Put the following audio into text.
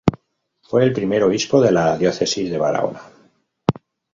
Fue el primer obispo de la diócesis de Barahona.